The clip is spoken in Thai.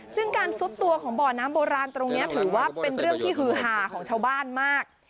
ซึ่งการซุดตัวของบ่อน้ำโบราณตรงนี้ถือว่าเป็นเรื่องที่ฮือหาของชาวบ้านมาก